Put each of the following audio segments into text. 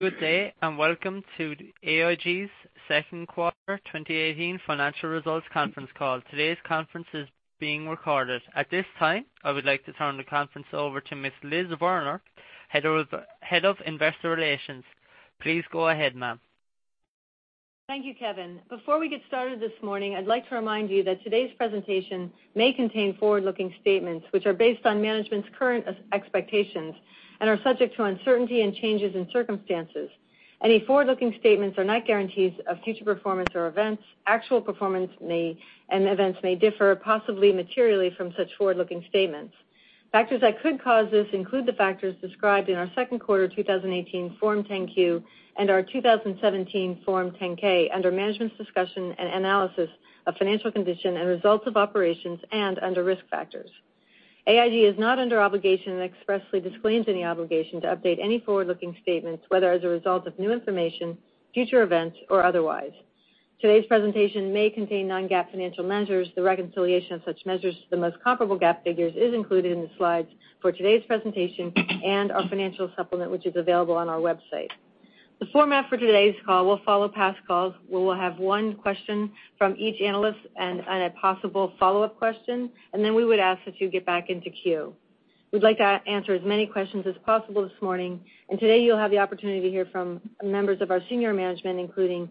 Good day. Welcome to AIG's second quarter 2018 financial results conference call. Today's conference is being recorded. At this time, I would like to turn the conference over to Ms. Liz Werner, Head of Investor Relations. Please go ahead, ma'am. Thank you, Kevin. Before we get started this morning, I'd like to remind you that today's presentation may contain forward-looking statements which are based on management's current expectations and are subject to uncertainty and changes in circumstances. Any forward-looking statements are not guarantees of future performance or events. Actual performance and events may differ, possibly materially, from such forward-looking statements. Factors that could cause this include the factors described in our second quarter 2018 Form 10-Q and our 2017 Form 10-K under Management's Discussion and Analysis of Financial Condition and Results of Operations and under Risk Factors. AIG is not under obligation and expressly disclaims any obligation to update any forward-looking statements, whether as a result of new information, future events, or otherwise. Today's presentation may contain non-GAAP financial measures. The reconciliation of such measures to the most comparable GAAP figures is included in the slides for today's presentation and our financial supplement, which is available on our website. The format for today's call will follow past calls, where we will have one question from each analyst and a possible follow-up question. Then we would ask that you get back into queue. We would like to answer as many questions as possible this morning. Today you will have the opportunity to hear from members of our senior management, including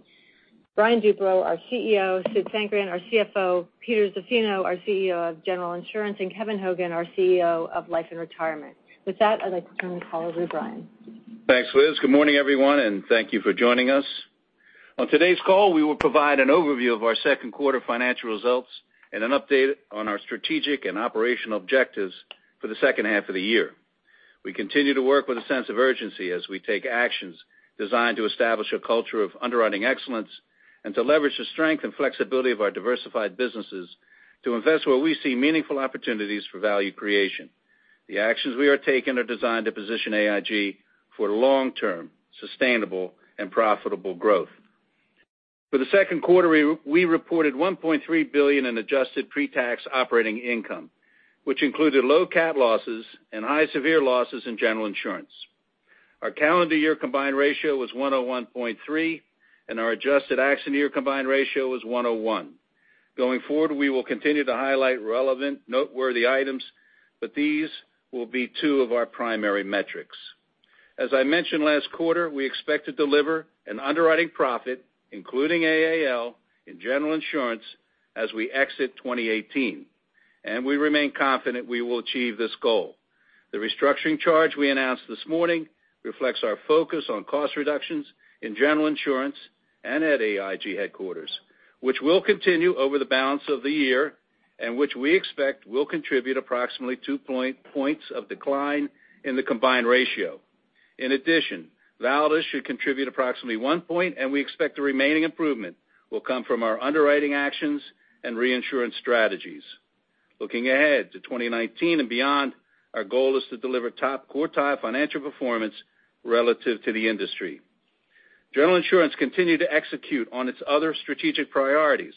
Brian Duperreault, our CEO, Sid Sankaran, our CFO, Peter Zaffino, our CEO of General Insurance, and Kevin Hogan, our CEO of Life & Retirement. With that, I would like to turn the call over to Brian. Thanks, Liz. Good morning, everyone. Thank you for joining us. On today's call, we will provide an overview of our second quarter financial results and an update on our strategic and operational objectives for the second half of the year. We continue to work with a sense of urgency as we take actions designed to establish a culture of underwriting excellence and to leverage the strength and flexibility of our diversified businesses to invest where we see meaningful opportunities for value creation. The actions we are taking are designed to position AIG for long-term, sustainable, and profitable growth. For the second quarter, we reported $1.3 billion in adjusted pre-tax operating income, which included low cat losses and high severe losses in General Insurance. Our calendar year combined ratio was 101.3. Our adjusted accident year combined ratio was 101. Going forward, we will continue to highlight relevant, noteworthy items, but these will be two of our primary metrics. As I mentioned last quarter, we expect to deliver an underwriting profit, including AAL, in General Insurance as we exit 2018, and we remain confident we will achieve this goal. The restructuring charge we announced this morning reflects our focus on cost reductions in General Insurance and at AIG headquarters, which will continue over the balance of the year and which we expect will contribute approximately two points of decline in the combined ratio. In addition, Validus should contribute approximately one point, and we expect the remaining improvement will come from our underwriting actions and reinsurance strategies. Looking ahead to 2019 and beyond, our goal is to deliver top quartile financial performance relative to the industry. General Insurance continued to execute on its other strategic priorities,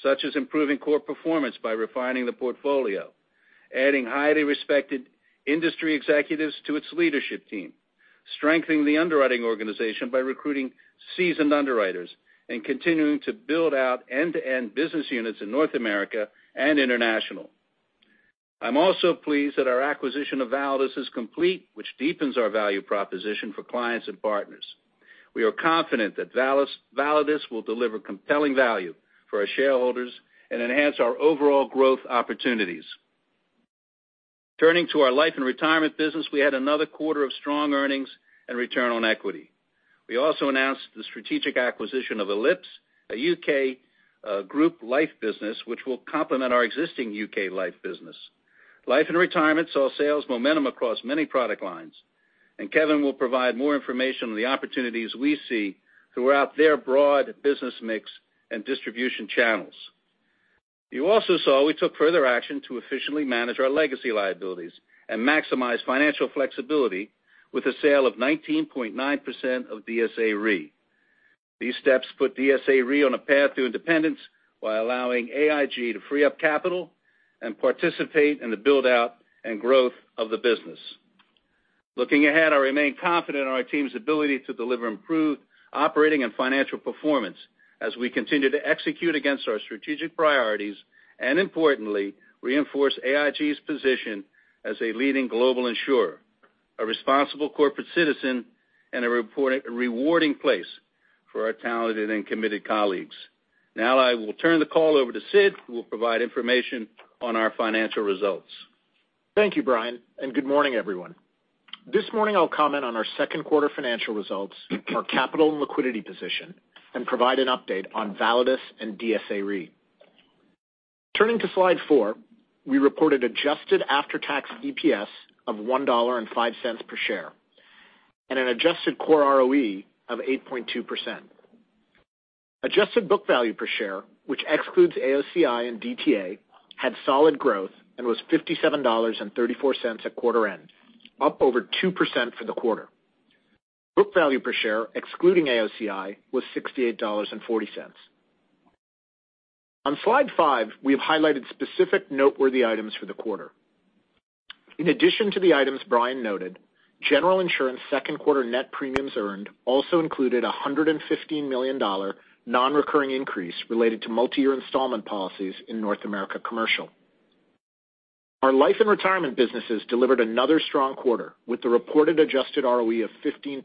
such as improving core performance by refining the portfolio, adding highly respected industry executives to its leadership team, strengthening the underwriting organization by recruiting seasoned underwriters, and continuing to build out end-to-end business units in North America and international. I'm also pleased that our acquisition of Validus is complete, which deepens our value proposition for clients and partners. We are confident that Validus will deliver compelling value for our shareholders and enhance our overall growth opportunities. Turning to our Life and Retirement business, we had another quarter of strong earnings and return on equity. We also announced the strategic acquisition of Ellipse, a U.K. group life business, which will complement our existing U.K. life business. Life and Retirement saw sales momentum across many product lines. Kevin will provide more information on the opportunities we see throughout their broad business mix and distribution channels. You also saw we took further action to efficiently manage our legacy liabilities and maximize financial flexibility with the sale of 19.9% of DSA Re. These steps put DSA Re on a path to independence while allowing AIG to free up capital and participate in the build-out and growth of the business. Looking ahead, I remain confident in our team's ability to deliver improved operating and financial performance as we continue to execute against our strategic priorities, importantly, reinforce AIG's position as a leading global insurer, a responsible corporate citizen, and a rewarding place for our talented and committed colleagues. I will turn the call over to Sid, who will provide information on our financial results. Thank you, Brian. Good morning, everyone. This morning I'll comment on our second quarter financial results, our capital and liquidity position, and provide an update on Validus and DSA Re. Turning to slide four, we reported adjusted after-tax EPS of $1.05 per share and an adjusted core ROE of 8.2%. Adjusted book value per share, which excludes AOCI and DTA, had solid growth and was $57.34 at quarter end, up over 2% for the quarter. Book value per share, excluding AOCI, was $68.40. On slide five, we have highlighted specific noteworthy items for the quarter. In addition to the items Brian noted, General Insurance second quarter net premiums earned also included $115 million non-recurring increase related to multi-year installment policies in North America Commercial. Our Life & Retirement businesses delivered another strong quarter with the reported adjusted ROE of 15%,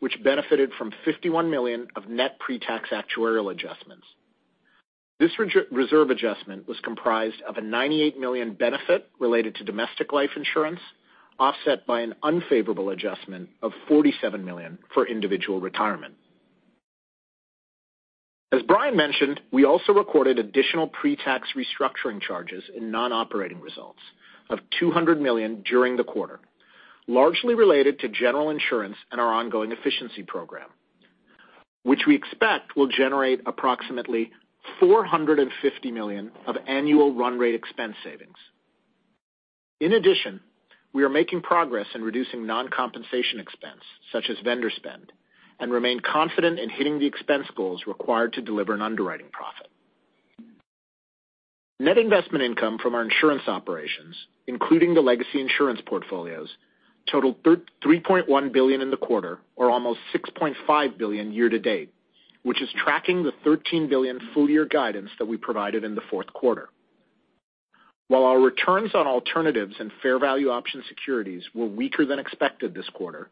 which benefited from $51 million of net pre-tax actuarial adjustments. This reserve adjustment was comprised of a $98 million benefit related to domestic life insurance, offset by an unfavorable adjustment of $47 million for Individual Retirement. As Brian mentioned, we also recorded additional pre-tax restructuring charges in non-operating results of $200 million during the quarter, largely related to General Insurance and our ongoing efficiency program, which we expect will generate approximately $450 million of annual run rate expense savings. In addition, we are making progress in reducing non-compensation expense such as vendor spend and remain confident in hitting the expense goals required to deliver an underwriting profit. Net investment income from our insurance operations, including the legacy insurance portfolios, totaled $3.1 billion in the quarter or almost $6.5 billion year to date, which is tracking the $13 billion full year guidance that we provided in the fourth quarter. While our returns on alternatives and fair value option securities were weaker than expected this quarter,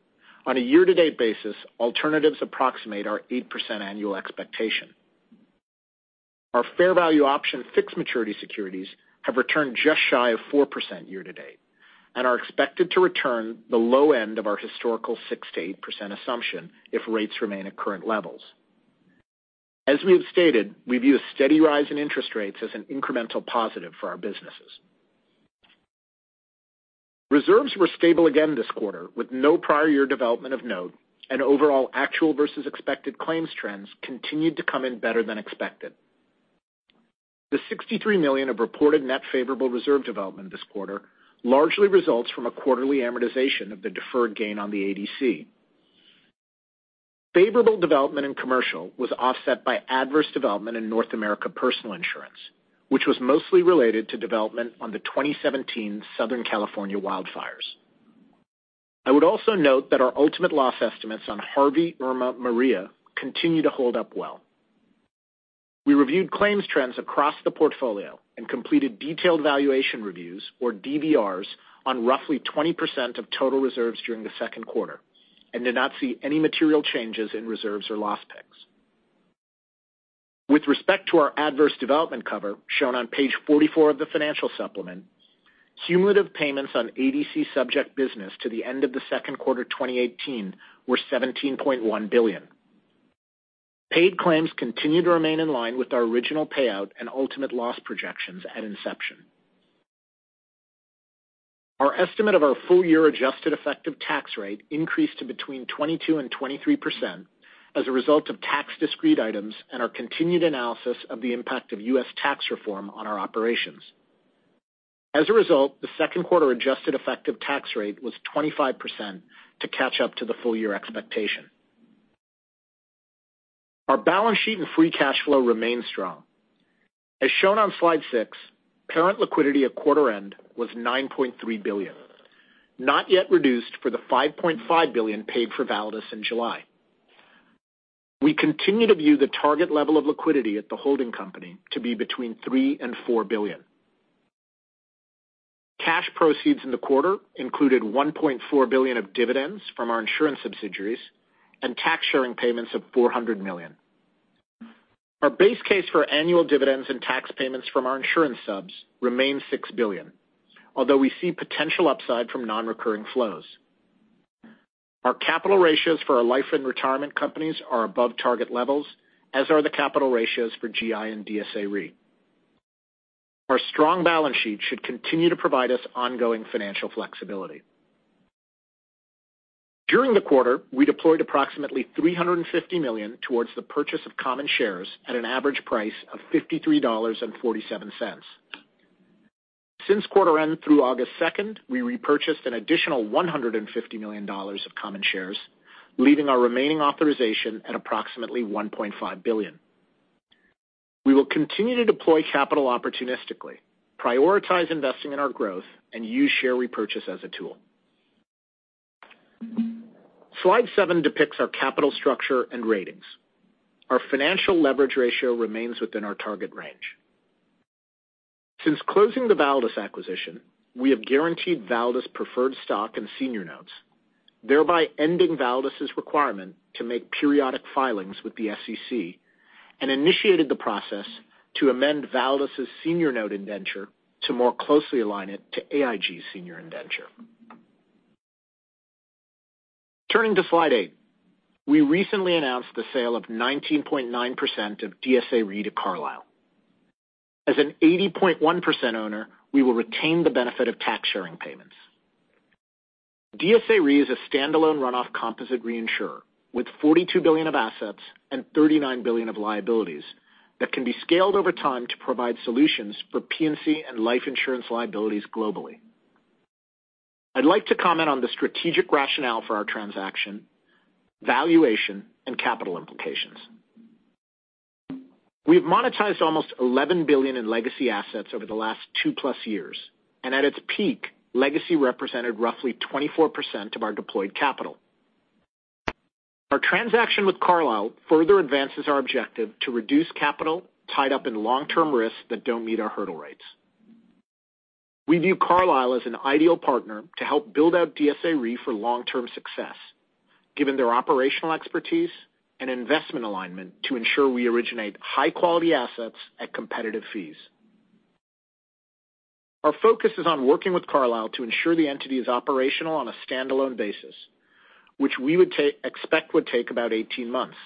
on a year to date basis, alternatives approximate our 8% annual expectation. Our fair value option fixed maturity securities have returned just shy of 4% year to date and are expected to return the low end of our historical 6%-8% assumption if rates remain at current levels. As we have stated, we view a steady rise in interest rates as an incremental positive for our businesses. Reserves were stable again this quarter with no prior year development of note and overall actual versus expected claims trends continued to come in better than expected. The $63 million of reported net favorable reserve development this quarter largely results from a quarterly amortization of the deferred gain on the ADC. Favorable development in commercial was offset by adverse development in North America Personal Insurance, which was mostly related to development on the 2017 Southern California wildfires. I would also note that our ultimate loss estimates on Harvey, Irma, Maria continue to hold up well. We reviewed claims trends across the portfolio and completed Detailed Valuation Reviews or DVRs on roughly 20% of total reserves during the second quarter and did not see any material changes in reserves or loss picks. With respect to our adverse development cover, shown on page 44 of the financial supplement, cumulative payments on ADC subject business to the end of the second quarter 2018 were $17.1 billion. Paid claims continue to remain in line with our original payout and ultimate loss projections at inception. Our estimate of our full year adjusted effective tax rate increased to between 22%-23% as a result of tax discrete items and our continued analysis of the impact of U.S. tax reform on our operations. As a result, the second quarter adjusted effective tax rate was 25% to catch up to the full year expectation. Our balance sheet and free cash flow remain strong. As shown on slide six, parent liquidity at quarter end was $9.3 billion, not yet reduced for the $5.5 billion paid for Validus in July. We continue to view the target level of liquidity at the holding company to be between $3 billion and $4 billion. Cash proceeds in the quarter included $1.4 billion of dividends from our insurance subsidiaries and tax sharing payments of $400 million. Our base case for annual dividends and tax payments from our insurance subs remain $6 billion, although we see potential upside from non-recurring flows. Our capital ratios for our Life & Retirement companies are above target levels, as are the capital ratios for GI and DSA Re. Our strong balance sheet should continue to provide us ongoing financial flexibility. During the quarter, we deployed approximately $350 million towards the purchase of common shares at an average price of $53.47. Since quarter end through August 2nd, we repurchased an additional $150 million of common shares, leaving our remaining authorization at approximately $1.5 billion. We will continue to deploy capital opportunistically, prioritize investing in our growth, and use share repurchase as a tool. Slide seven depicts our capital structure and ratings. Our financial leverage ratio remains within our target range. Since closing the Validus acquisition, we have guaranteed Validus preferred stock and senior notes, thereby ending Validus' requirement to make periodic filings with the SEC and initiated the process to amend Validus' senior note indenture to more closely align it to AIG senior indenture. Turning to slide eight. We recently announced the sale of 19.9% of DSA Re to Carlyle. As an 80.1% owner, we will retain the benefit of tax sharing payments. DSA Re is a standalone runoff composite reinsurer with $42 billion of assets and $39 billion of liabilities that can be scaled over time to provide solutions for P&C and life insurance liabilities globally. I'd like to comment on the strategic rationale for our transaction, valuation, and capital implications. We've monetized almost $11 billion in legacy assets over the last two-plus years, and at its peak, legacy represented roughly 24% of our deployed capital. Our transaction with Carlyle further advances our objective to reduce capital tied up in long-term risks that don't meet our hurdle rates. We view Carlyle as an ideal partner to help build out DSA Re for long-term success, given their operational expertise and investment alignment to ensure we originate high-quality assets at competitive fees. Our focus is on working with Carlyle to ensure the entity is operational on a standalone basis, which we would expect would take about 18 months.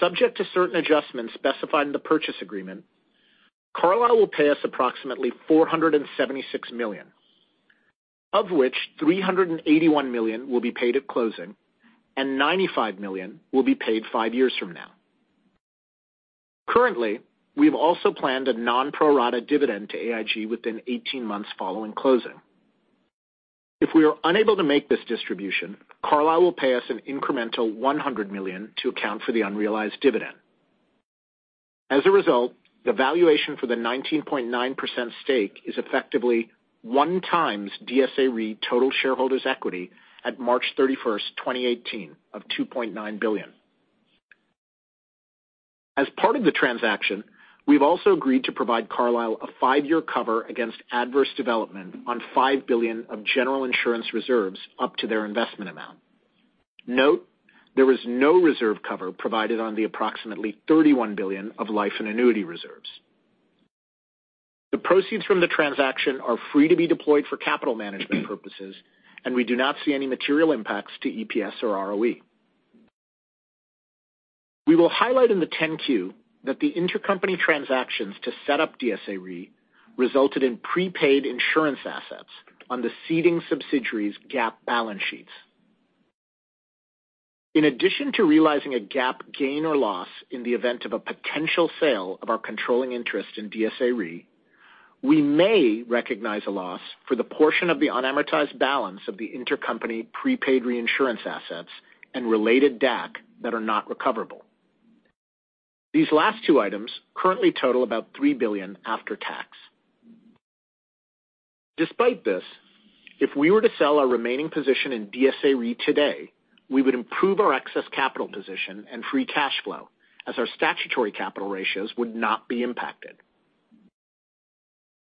Subject to certain adjustments specified in the purchase agreement, Carlyle will pay us approximately $476 million, of which $381 million will be paid at closing and $95 million will be paid five years from now. Currently, we have also planned a non-pro-rata dividend to AIG within 18 months following closing. If we are unable to make this distribution, Carlyle will pay us an incremental $100 million to account for the unrealized dividend. As a result, the valuation for the 19.9% stake is effectively one times DSA Re total shareholders' equity at March 31st, 2018, of $2.9 billion. As part of the transaction, we've also agreed to provide Carlyle a five-year cover against adverse development on $5 billion of General Insurance reserves up to their investment amount. Note, there was no reserve cover provided on the approximately $31 billion of life and annuity reserves. The proceeds from the transaction are free to be deployed for capital management purposes. We do not see any material impacts to EPS or ROE. We will highlight in the 10-Q that the intercompany transactions to set up DSA Re resulted in prepaid insurance assets on the ceding subsidiaries' GAAP balance sheets. In addition to realizing a GAAP gain or loss in the event of a potential sale of our controlling interest in DSA Re, we may recognize a loss for the portion of the unamortized balance of the intercompany prepaid reinsurance assets and related DAC that are not recoverable. These last two items currently total about $3 billion after tax. Despite this, if we were to sell our remaining position in DSA Re today, we would improve our excess capital position and free cash flow as our statutory capital ratios would not be impacted.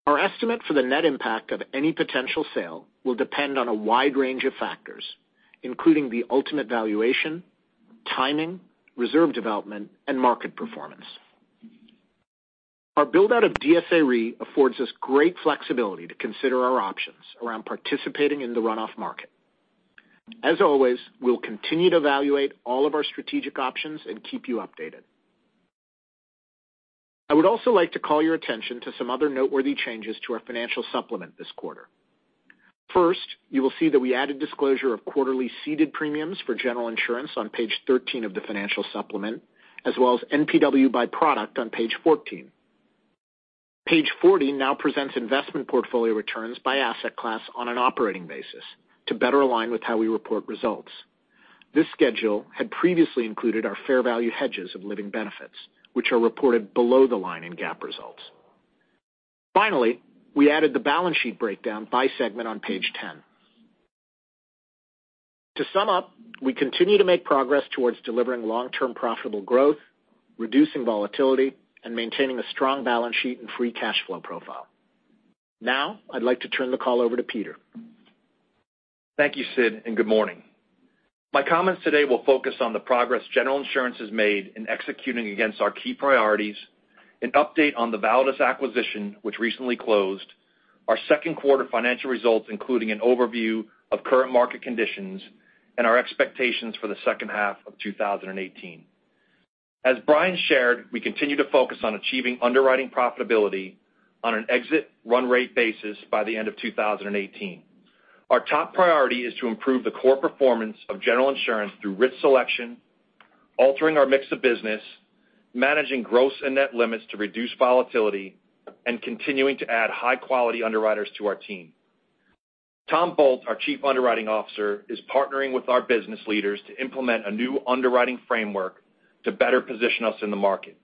Our estimate for the net impact of any potential sale will depend on a wide range of factors, including the ultimate valuation, timing, reserve development, and market performance. Our build-out of DSA Re affords us great flexibility to consider our options around participating in the runoff market. As always, we will continue to evaluate all of our strategic options and keep you updated. I would also like to call your attention to some other noteworthy changes to our financial supplement this quarter. First, you will see that we added disclosure of quarterly ceded premiums for General Insurance on page 13 of the financial supplement, as well as NPW by product on page 14. Page 40 now presents investment portfolio returns by asset class on an operating basis to better align with how we report results. This schedule had previously included our fair value hedges of living benefits, which are reported below the line in GAAP results. Finally, we added the balance sheet breakdown by segment on page 10. To sum up, we continue to make progress towards delivering long-term profitable growth, reducing volatility, and maintaining a strong balance sheet and free cash flow profile. I would like to turn the call over to Peter. Thank you, Sid. Good morning. My comments today will focus on the progress General Insurance has made in executing against our key priorities, an update on the Validus acquisition, which recently closed, our second quarter financial results, including an overview of current market conditions, and our expectations for the second half of 2018. As Brian shared, we continue to focus on achieving underwriting profitability on an exit run rate basis by the end of 2018. Our top priority is to improve the core performance of General Insurance through risk selection, altering our mix of business, managing gross and net limits to reduce volatility, and continuing to add high-quality underwriters to our team. Tom Bolt, our Chief Underwriting Officer, is partnering with our business leaders to implement a new underwriting framework to better position us in the market.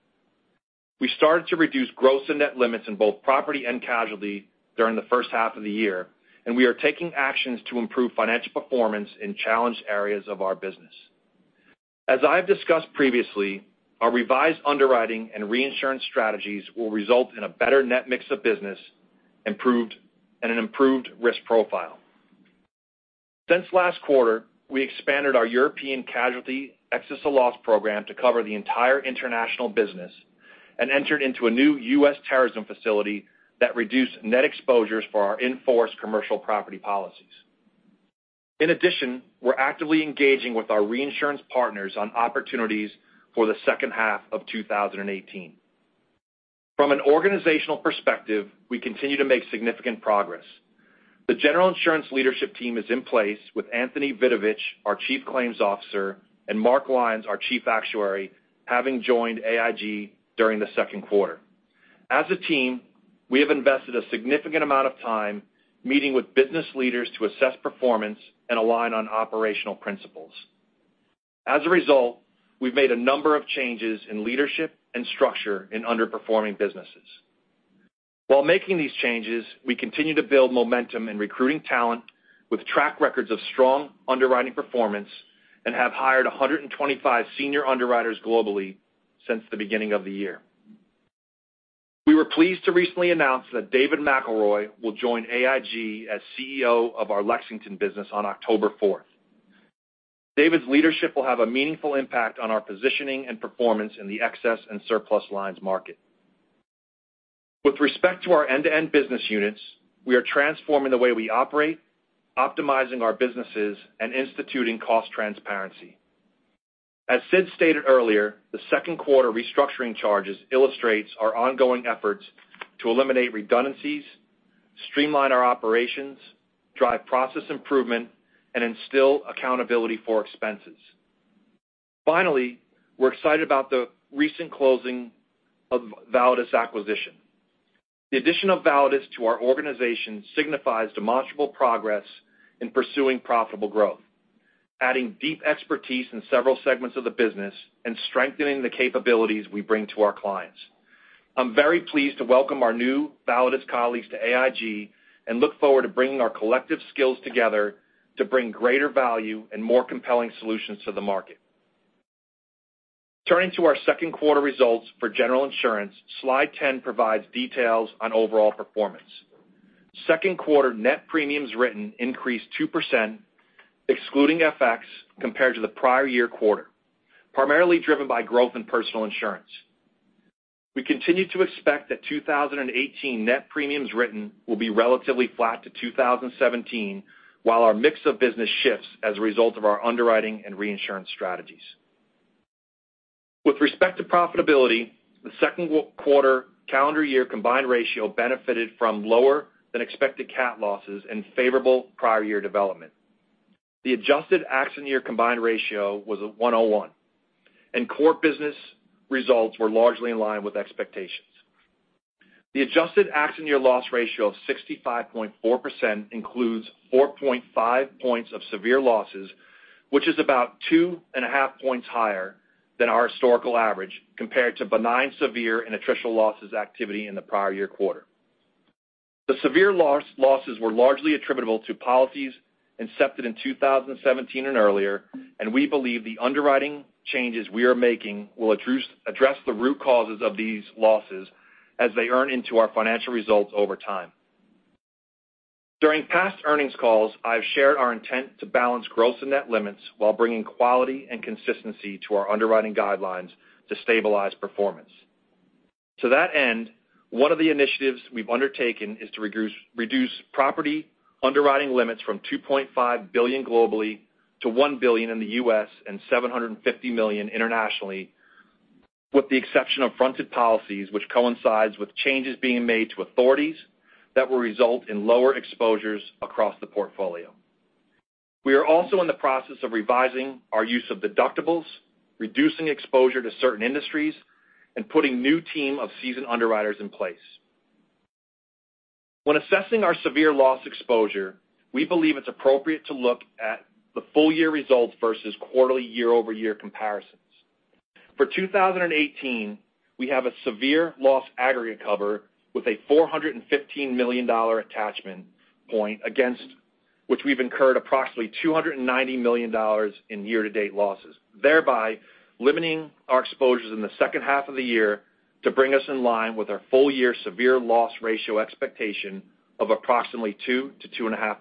We started to reduce gross and net limits in both property and casualty during the first half of the year, and we are taking actions to improve financial performance in challenged areas of our business. As I have discussed previously, our revised underwriting and reinsurance strategies will result in a better net mix of business and an improved risk profile. Since last quarter, we expanded our European Casualty Excess of Loss program to cover the entire international business and entered into a new US terrorism facility that reduced net exposures for our in-force commercial property policies. In addition, we're actively engaging with our reinsurance partners on opportunities for the second half of 2018. From an organizational perspective, we continue to make significant progress. The General Insurance leadership team is in place with Anthony Vidovich, our chief claims officer, and Mark Lyons, our chief actuary, having joined AIG during the second quarter. As a team, we have invested a significant amount of time meeting with business leaders to assess performance and align on operational principles. As a result, we've made a number of changes in leadership and structure in underperforming businesses. While making these changes, we continue to build momentum in recruiting talent with track records of strong underwriting performance and have hired 125 senior underwriters globally since the beginning of the year. We were pleased to recently announce that David McElroy will join AIG as CEO of our Lexington business on October 4th. David's leadership will have a meaningful impact on our positioning and performance in the Excess and Surplus lines market. With respect to our end-to-end business units, we are transforming the way we operate, optimizing our businesses, and instituting cost transparency. As Sid stated earlier, the second quarter restructuring charges illustrates our ongoing efforts to eliminate redundancies, streamline our operations, drive process improvement, and instill accountability for expenses. Finally, we're excited about the recent closing of Validus acquisition. The addition of Validus to our organization signifies demonstrable progress in pursuing profitable growth, adding deep expertise in several segments of the business, and strengthening the capabilities we bring to our clients. I'm very pleased to welcome our new Validus colleagues to AIG. Look forward to bringing our collective skills together to bring greater value and more compelling solutions to the market. Turning to our second quarter results for General Insurance, slide 10 provides details on overall performance. Second quarter net premiums written increased 2%, excluding FX, compared to the prior year quarter, primarily driven by growth in Personal Insurance. We continue to expect that 2018 net premiums written will be relatively flat to 2017, while our mix of business shifts as a result of our underwriting and reinsurance strategies. With respect to profitability, the second quarter calendar year combined ratio benefited from lower than expected cat losses and favorable prior year development. The adjusted accident year combined ratio was at 101. Core business results were largely in line with expectations. The adjusted accident year loss ratio of 65.4% includes 4.5 points of severe losses, which is about two and a half points higher than our historical average, compared to benign, severe, and attritional losses activity in the prior year quarter. The severe losses were largely attributable to policies incepted in 2017 and earlier. We believe the underwriting changes we are making will address the root causes of these losses as they earn into our financial results over time. During past earnings calls, I've shared our intent to balance gross and net limits while bringing quality and consistency to our underwriting guidelines to stabilize performance. To that end, one of the initiatives we've undertaken is to reduce property underwriting limits from $2.5 billion globally to $1 billion in the U.S. and $750 million internationally, with the exception of fronted policies, which coincides with changes being made to authorities that will result in lower exposures across the portfolio. We are also in the process of revising our use of deductibles, reducing exposure to certain industries, and putting new team of seasoned underwriters in place. When assessing our severe loss exposure, we believe it's appropriate to look at the full year results versus quarterly year-over-year comparisons. For 2018, we have a severe loss aggregate cover with a $415 million attachment point against which we've incurred approximately $290 million in year-to-date losses, thereby limiting our exposures in the second half of the year to bring us in line with our full year severe loss ratio expectation of approximately 2%-2.5%.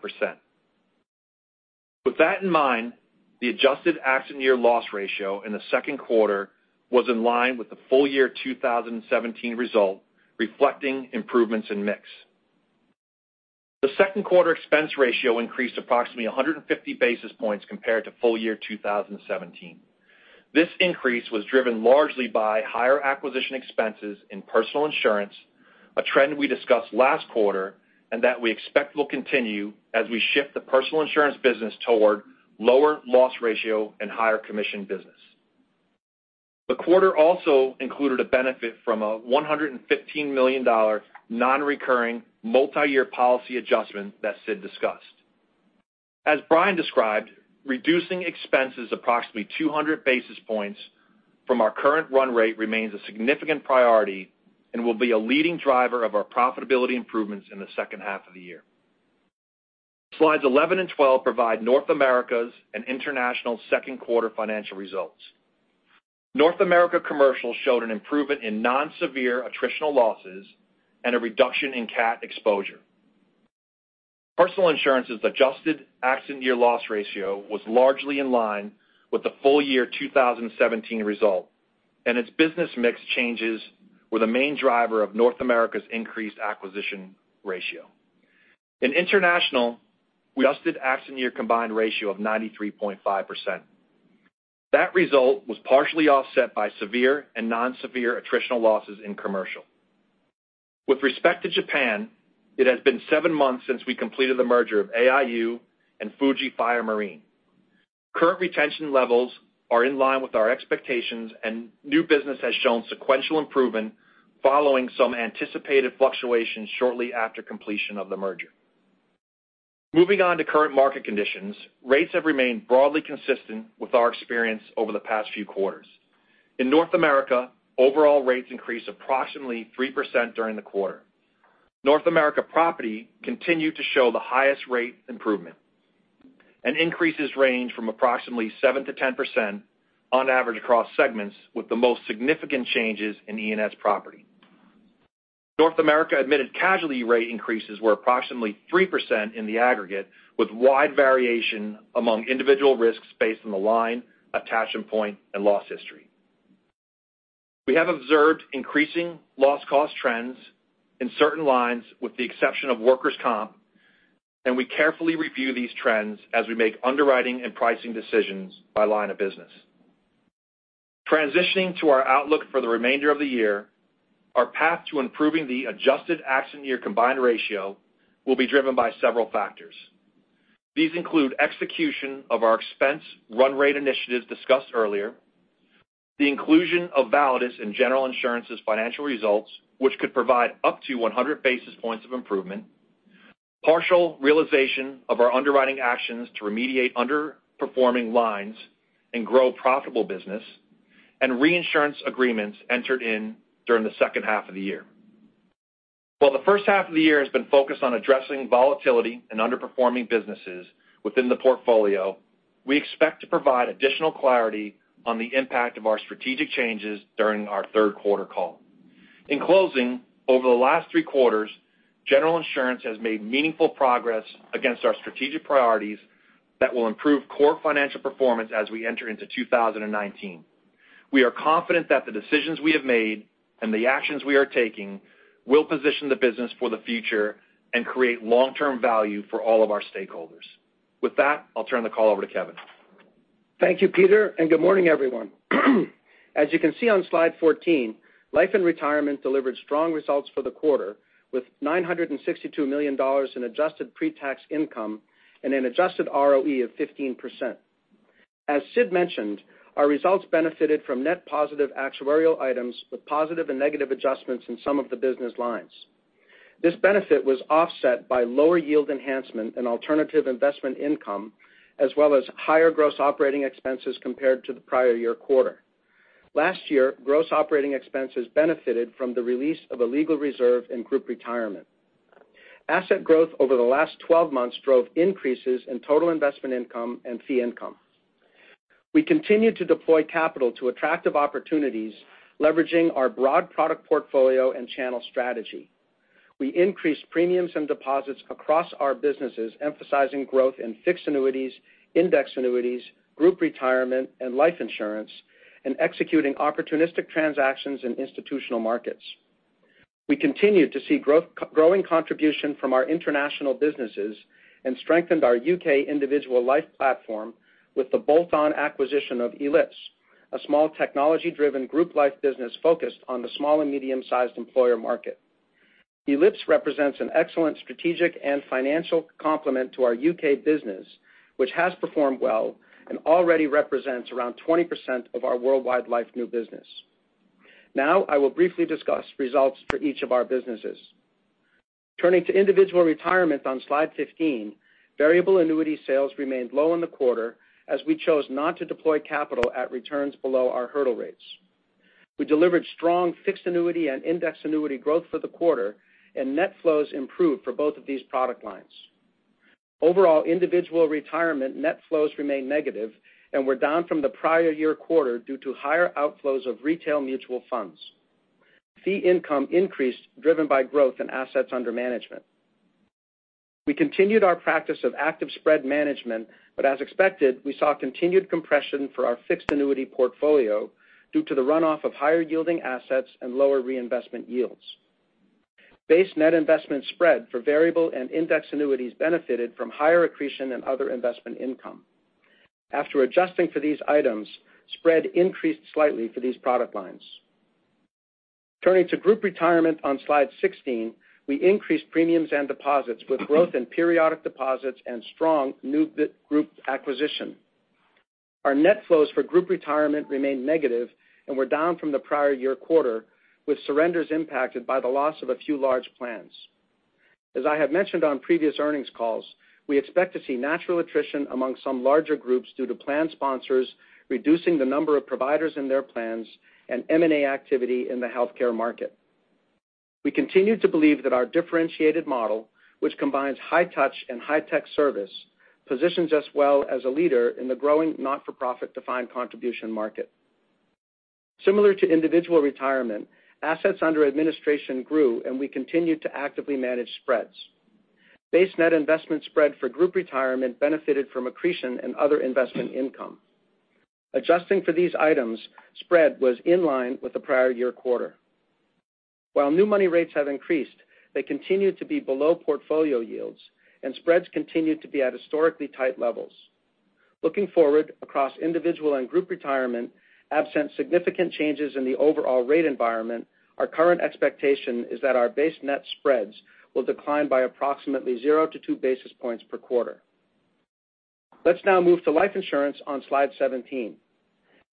With that in mind, the adjusted accident year loss ratio in the second quarter was in line with the full year 2017 result, reflecting improvements in mix. The second quarter expense ratio increased approximately 150 basis points compared to full year 2017. This increase was driven largely by higher acquisition expenses in Personal Insurance, a trend we discussed last quarter. That we expect will continue as we shift the Personal Insurance business toward lower loss ratio and higher commission business. The quarter also included a benefit from a $115 million non-recurring multi-year policy adjustment that Sid discussed. As Brian described, reducing expenses approximately 200 basis points from our current run rate remains a significant priority and will be a leading driver of our profitability improvements in the second half of the year. Slides 11 and 12 provide North America's and International's second quarter financial results. North America Commercial showed an improvement in non-severe attritional losses and a reduction in cat exposure. Personal Insurance's adjusted accident year loss ratio was largely in line with the full year 2017 result. Its business mix changes were the main driver of North America's increased acquisition ratio. In International, we adjusted accident year combined ratio of 93.5%. That result was partially offset by severe and non-severe attritional losses in commercial. With respect to Japan, it has been seven months since we completed the merger of AIU and Fuji Fire Marine. Current retention levels are in line with our expectations, and new business has shown sequential improvement following some anticipated fluctuation shortly after completion of the merger. Moving on to current market conditions, rates have remained broadly consistent with our experience over the past few quarters. In North America, overall rates increased approximately 3% during the quarter. North America property continued to show the highest rate improvement. Increases range from approximately 7%-10% on average across segments, with the most significant changes in E&S property. North America admitted casualty rate increases were approximately 3% in the aggregate, with wide variation among individual risks based on the line, attachment point and loss history. We have observed increasing loss cost trends in certain lines, with the exception of workers' comp, and we carefully review these trends as we make underwriting and pricing decisions by line of business. Transitioning to our outlook for the remainder of the year, our path to improving the adjusted accident year combined ratio will be driven by several factors. These include execution of our expense run rate initiatives discussed earlier, the inclusion of Validus in General Insurance's financial results, which could provide up to 100 basis points of improvement, partial realization of our underwriting actions to remediate underperforming lines and grow profitable business, and reinsurance agreements entered in during the second half of the year. While the first half of the year has been focused on addressing volatility in underperforming businesses within the portfolio, we expect to provide additional clarity on the impact of our strategic changes during our third quarter call. In closing, over the last three quarters, General Insurance has made meaningful progress against our strategic priorities that will improve core financial performance as we enter into 2019. We are confident that the decisions we have made and the actions we are taking will position the business for the future and create long-term value for all of our stakeholders. With that, I'll turn the call over to Kevin. Thank you, Peter, and good morning, everyone. As you can see on slide 14, Life and Retirement delivered strong results for the quarter, with $962 million in adjusted pre-tax income and an adjusted ROE of 15%. As Sid mentioned, our results benefited from net positive actuarial items with positive and negative adjustments in some of the business lines. This benefit was offset by lower yield enhancement and alternative investment income, as well as higher gross operating expenses compared to the prior year quarter. Last year, gross operating expenses benefited from the release of a legal reserve in Group Retirement. Asset growth over the last 12 months drove increases in total investment income and fee income. We continued to deploy capital to attractive opportunities, leveraging our broad product portfolio and channel strategy. We increased premiums and deposits across our businesses, emphasizing growth in fixed annuities, index annuities, Group Retirement, and life insurance, and executing opportunistic transactions in institutional markets. We continued to see growing contribution from our international businesses and strengthened our U.K. individual life platform with the bolt-on acquisition of Ellipse, a small, technology-driven group life business focused on the small and medium-sized employer market. Ellipse represents an excellent strategic and financial complement to our U.K. business, which has performed well and already represents around 20% of our worldwide life new business. Now, I will briefly discuss results for each of our businesses. Turning to Individual Retirement on slide 15, variable annuity sales remained low in the quarter as we chose not to deploy capital at returns below our hurdle rates. We delivered strong fixed annuity and index annuity growth for the quarter. Net flows improved for both of these product lines. Overall, Individual Retirement net flows remained negative and were down from the prior year quarter due to higher outflows of retail mutual funds. Fee income increased, driven by growth in assets under management. As expected, we saw continued compression for our fixed annuity portfolio due to the runoff of higher-yielding assets and lower reinvestment yields. Base net investment spread for variable and index annuities benefited from higher accretion and other investment income. After adjusting for these items, spread increased slightly for these product lines. Turning to Group Retirement on slide 16, we increased premiums and deposits with growth in periodic deposits and strong new group acquisition. Our net flows for Group Retirement remained negative and were down from the prior year quarter, with surrenders impacted by the loss of a few large plans. As I have mentioned on previous earnings calls, we expect to see natural attrition among some larger groups due to plan sponsors reducing the number of providers in their plans and M&A activity in the healthcare market. We continue to believe that our differentiated model, which combines high touch and high-tech service, positions us well as a leader in the growing not-for-profit defined contribution market. Similar to Individual Retirement, assets under administration grew. We continued to actively manage spreads. Base net investment spread for Group Retirement benefited from accretion and other investment income. Adjusting for these items, spread was in line with the prior year quarter. While new money rates have increased, they continue to be below portfolio yields. Spreads continue to be at historically tight levels. Looking forward across Individual and Group Retirement, absent significant changes in the overall rate environment, our current expectation is that our base net spreads will decline by approximately zero to two basis points per quarter. Let's now move to life insurance on Slide 17.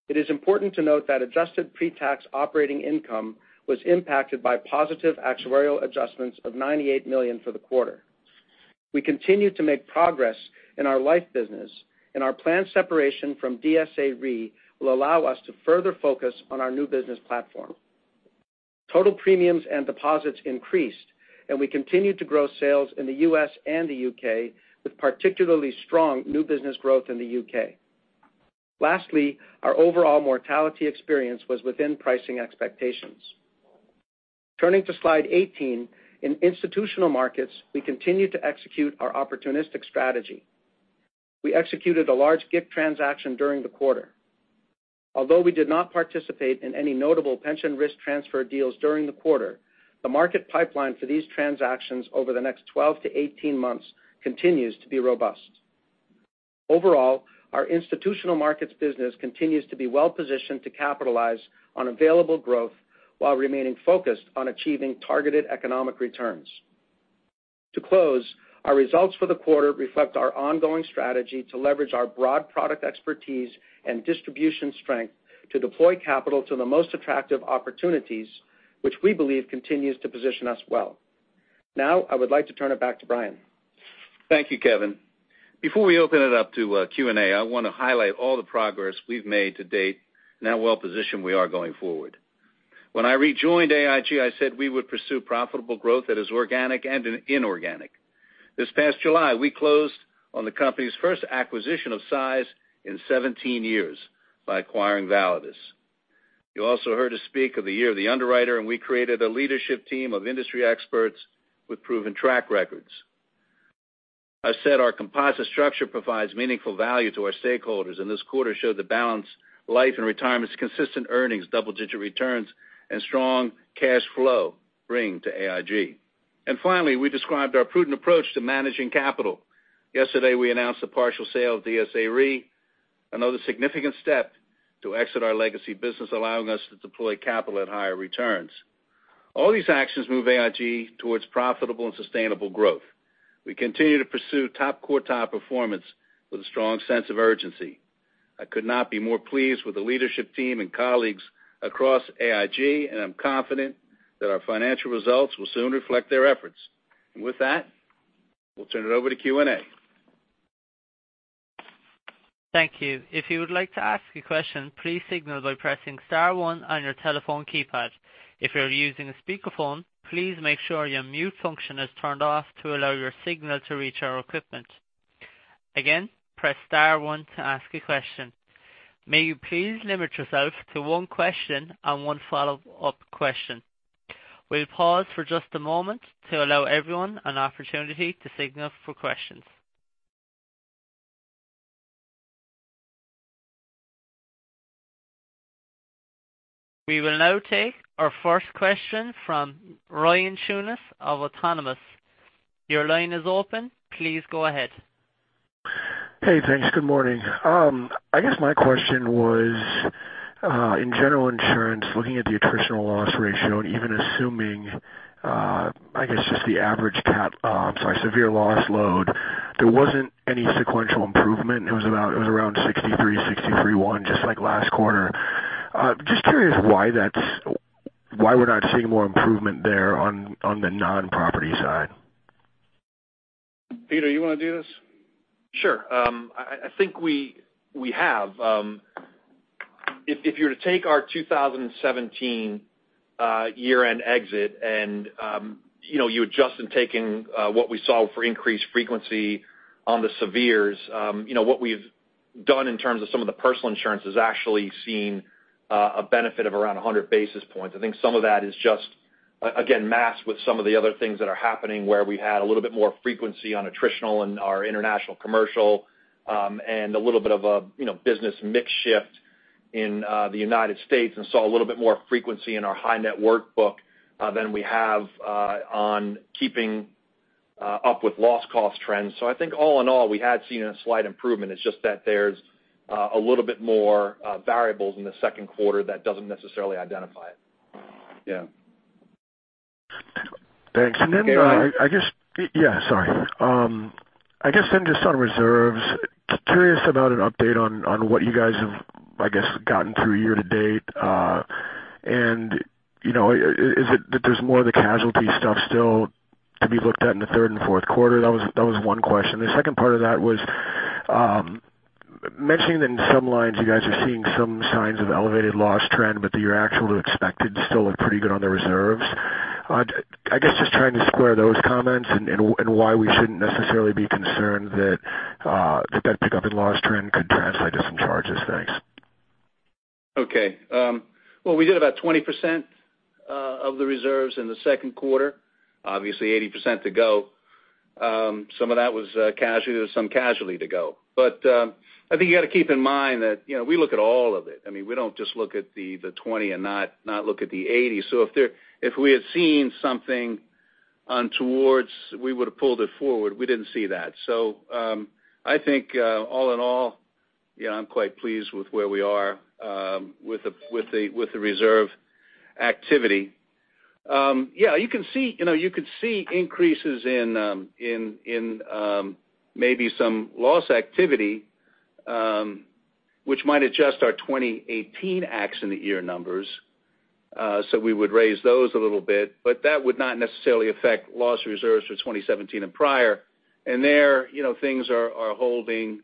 It is important to note that adjusted pre-tax operating income was impacted by positive actuarial adjustments of $98 million for the quarter. We continue to make progress in our life business, and our planned separation from DSA Re will allow us to further focus on our new business platform. Total premiums and deposits increased, and we continued to grow sales in the U.S. and the U.K., with particularly strong new business growth in the U.K. Lastly, our overall mortality experience was within pricing expectations. Turning to Slide 18, in institutional markets, we continued to execute our opportunistic strategy. We executed a large GIC transaction during the quarter. Although we did not participate in any notable pension risk transfer deals during the quarter, the market pipeline for these transactions over the next 12 to 18 months continues to be robust. Overall, our institutional markets business continues to be well-positioned to capitalize on available growth while remaining focused on achieving targeted economic returns. To close, our results for the quarter reflect our ongoing strategy to leverage our broad product expertise and distribution strength to deploy capital to the most attractive opportunities, which we believe continues to position us well. Now, I would like to turn it back to Brian. Thank you, Kevin. Before we open it up to Q&A, I want to highlight all the progress we've made to date and how well-positioned we are going forward. When I rejoined AIG, I said we would pursue profitable growth that is organic and inorganic. This past July, we closed on the company's first acquisition of size in 17 years by acquiring Validus. You also heard us speak of the year of the underwriter, and we created a leadership team of industry experts with proven track records. I said our composite structure provides meaningful value to our stakeholders, and this quarter showed the balanced Life and Retirement's consistent earnings, double-digit returns, and strong cash flow bring to AIG. Finally, we described our prudent approach to managing capital. Yesterday, we announced the partial sale of DSA Re, another significant step to exit our legacy business, allowing us to deploy capital at higher returns. All these actions move AIG towards profitable and sustainable growth. We continue to pursue top quartile performance with a strong sense of urgency. I could not be more pleased with the leadership team and colleagues across AIG. With that, we'll turn it over to Q&A. Thank you. If you would like to ask a question, please signal by pressing *1 on your telephone keypad. If you're using a speakerphone, please make sure your mute function is turned off to allow your signal to reach our equipment. Again, press *1 to ask a question. May you please limit yourself to one question and one follow-up question. We'll pause for just a moment to allow everyone an opportunity to signal for questions. We will now take our first question from Ryan Tunis of Autonomous Research. Your line is open. Please go ahead. Hey, thanks. Good morning. I guess my question was, in General Insurance, looking at the attritional loss ratio and even assuming, I guess just the average severe loss load, there wasn't any sequential improvement. It was around 63%, 63.1%, just like last quarter. Just curious why we're not seeing more improvement there on the non-property side. Peter, you want to do this? Sure. I think we have. If you were to take our 2017 year-end exit and you adjust in taking what we saw for increased frequency on the severes, what we've done in terms of some of the Personal Insurance is actually seen a benefit of around 100 basis points. I think some of that is just, again, masked with some of the other things that are happening where we had a little bit more frequency on attritional and our international commercial, and a little bit of a business mix shift in the U.S. and saw a little bit more frequency in our high net worth book than we have on keeping up with loss cost trends. I think all in all, we had seen a slight improvement. It's just that there's a little bit more variables in the second quarter that doesn't necessarily identify it. Yeah. Thanks. Hey, Ryan. Yeah, sorry. I guess just on reserves, curious about an update on what you guys have, I guess, gotten through year to date. Is it that there's more of the casualty stuff still to be looked at in the third and fourth quarter? That was one question. The second part of that was mentioning that in some lines you guys are seeing some signs of elevated loss trend, that your actual to expected still look pretty good on the reserves. I guess just trying to square those comments and why we shouldn't necessarily be concerned that that pickup in loss trend could translate to some charges. Thanks. Okay. Well, we did about 20% of the reserves in the second quarter. Obviously 80% to go. Some of that was casualty to go. I think you got to keep in mind that we look at all of it. We don't just look at the 20 and not look at the 80. If we had seen something untoward, we would have pulled it forward. We didn't see that. I think all in all I'm quite pleased with where we are with the reserve activity. You could see increases in maybe some loss activity, which might adjust our 2018 accident year numbers. We would raise those a little bit, but that would not necessarily affect loss reserves for 2017 and prior. There, things are holding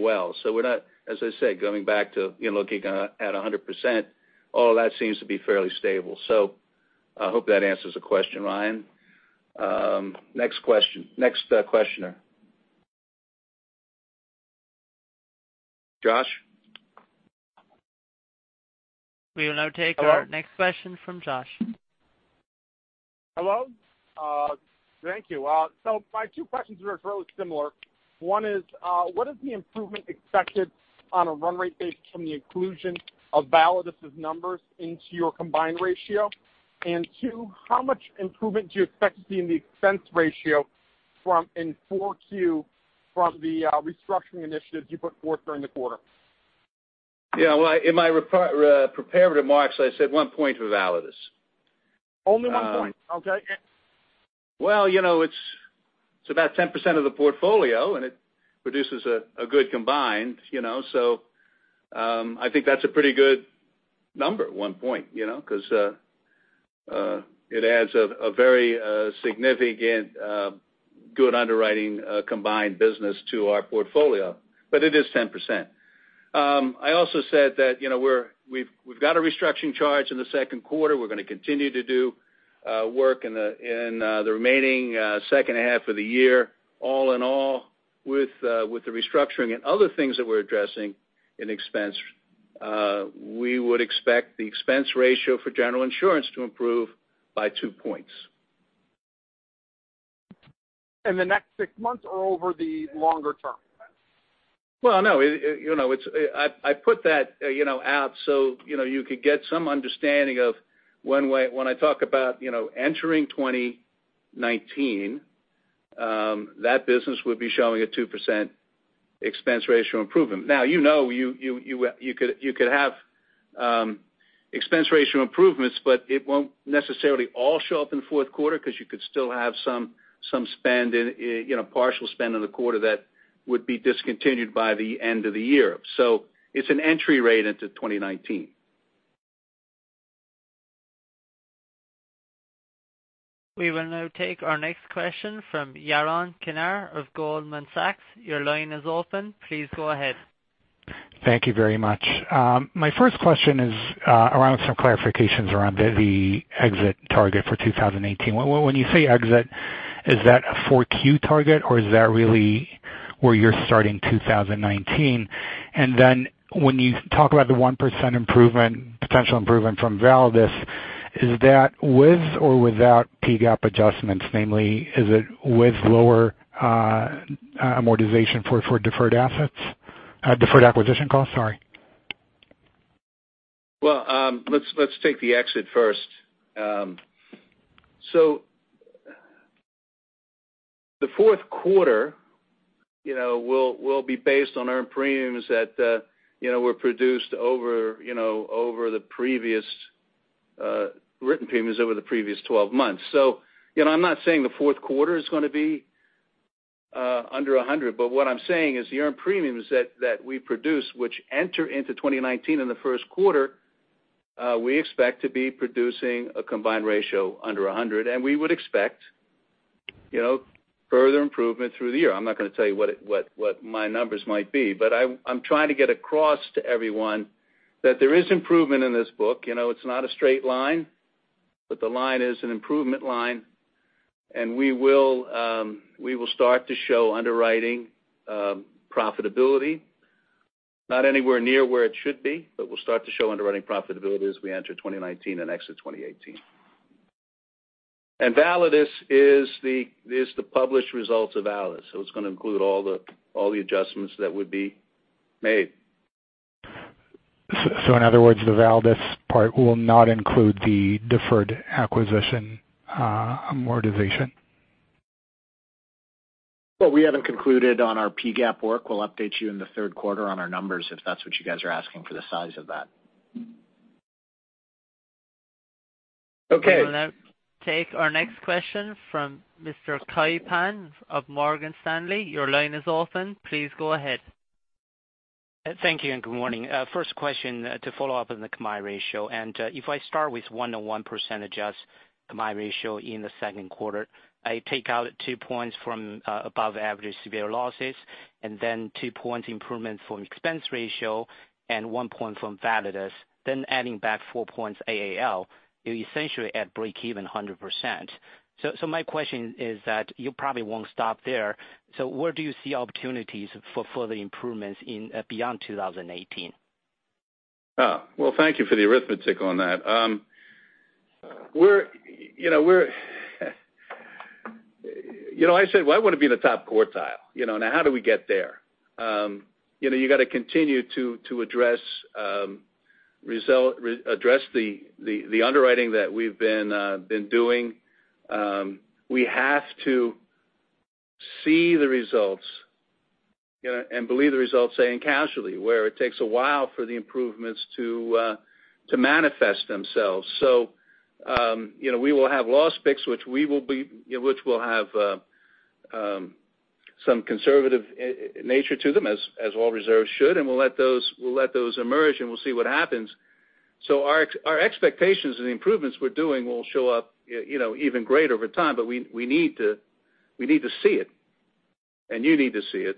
well. We're not, as I said, going back to looking at 100%, all that seems to be fairly stable. I hope that answers the question, Ryan. Next question. Next questioner. Josh? We will now take our next question from Josh. Hello? Thank you. My two questions are fairly similar. One is, what is the improvement expected on a run rate basis from the inclusion of Validus' numbers into your combined ratio? Two, how much improvement do you expect to see in the expense ratio in 4Q from the restructuring initiatives you put forth during the quarter? Yeah. Well, in my prepared remarks, I said one point for Validus. Only one point? Okay. Well, it's about 10% of the portfolio, and it produces a good combined. I think that's a pretty good number, one point, because it adds a very significant good underwriting combined business to our portfolio, but it is 10%. I also said that we've got a restructuring charge in the second quarter. We're going to continue to do work in the remaining second half of the year. All in all, with the restructuring and other things that we're addressing in expense, we would expect the expense ratio for General Insurance to improve by two points. In the next six months or over the longer term? Well, no, I put that out so you could get some understanding of when I talk about entering 2019, that business would be showing a 2% expense ratio improvement. Now, you know you could have expense ratio improvements, but it won't necessarily all show up in the fourth quarter because you could still have some partial spend in the quarter that would be discontinued by the end of the year. It's an entry rate into 2019. We will now take our next question from Yaron Kinar of Goldman Sachs. Your line is open. Please go ahead. Thank you very much. My first question is around some clarifications around the exit target for 2018. When you say exit, is that a 4Q target, or is that really where you're starting 2019? When you talk about the 1% potential improvement from Validus, is that with or without PGAAP adjustments, namely, is it with lower amortization for deferred acquisition costs? Well, let's take the exit first. The fourth quarter will be based on earned premiums that were produced over the previous written premiums over the previous 12 months. I'm not saying the fourth quarter is going to be under 100, but what I'm saying is the earned premiums that we produce, which enter into 2019 in the first quarter, we expect to be producing a combined ratio under 100, and we would expect further improvement through the year. I'm not going to tell you what my numbers might be, but I'm trying to get across to everyone that there is improvement in this book. It's not a straight line, but the line is an improvement line, and we will start to show underwriting profitability, not anywhere near where it should be, but we'll start to show underwriting profitability as we enter 2019 and exit 2018. Validus is the published results of Validus, so it's going to include all the adjustments that would be made. In other words, the Validus part will not include the deferred acquisition amortization? Well, we haven't concluded on our PGAAP work. We'll update you in the third quarter on our numbers, if that's what you guys are asking for the size of that. Okay. We will now take our next question from Mr. Kai Pan of Morgan Stanley. Your line is open. Please go ahead. Thank you, and good morning. First question to follow up on the combined ratio. If I start with 101% as combined ratio in the second quarter, I take out two points from above average severe losses, then two points improvement from expense ratio, and one point from Validus, then adding back four points AAL, you're essentially at breakeven 100%. My question is that you probably won't stop there. Where do you see opportunities for further improvements beyond 2018? Well, thank you for the arithmetic on that. I said I want to be in the top quartile. Now how do we get there? You got to continue to address the underwriting that we've been doing, we have to see the results and believe the results, say, in casualty, where it takes a while for the improvements to manifest themselves. We will have loss picks, which will have some conservative nature to them, as all reserves should, and we'll let those emerge, and we'll see what happens. Our expectations and the improvements we're doing will show up even greater over time. We need to see it, and you need to see it.